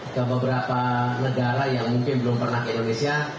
ke beberapa negara yang mungkin belum pernah ke indonesia